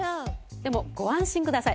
でもご安心ください。